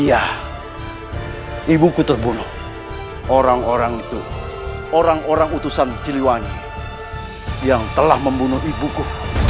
iya ibuku terbunuh orang orang itu orang orang utusan ciliwangi yang telah membunuh ibuku